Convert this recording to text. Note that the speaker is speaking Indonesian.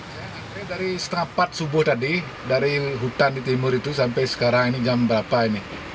saya antri dari setengah empat subuh tadi dari hutan di timur itu sampai sekarang ini jam berapa ini